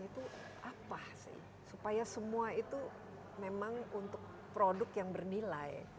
itu apa sih supaya semua itu memang untuk produk yang bernilai